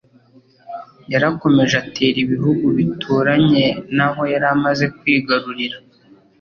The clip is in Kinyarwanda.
yarakomeje atera ibihugu bituranye naho yari amaze kwigarurira.